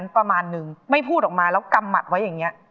พรุ่งต่อออกไปตรงนี้